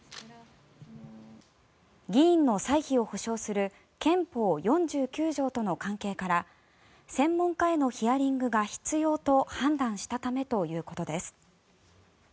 議員の歳費を保証する憲法４９条との関係から専門家へのヒアリングが必要と判断したためということです。